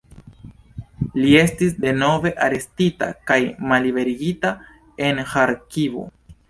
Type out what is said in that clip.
Li estis denove arestita kaj malliberigita en Ĥarkivo.